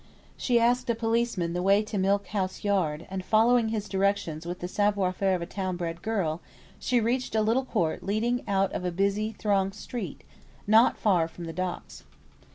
She asked a policeman the way to Milk House Yard, and following his directions with the savoir faire of a town bred girl, she reached a little court leading out of a busy, thronged street, not far from the Docks.